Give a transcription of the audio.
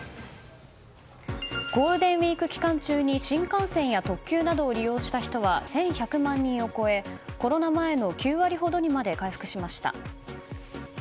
ゴールデンウィーク期間中に新幹線や特急などを利用した人は１１００万人を超えコロナ前の９割ほどにまで回復しました。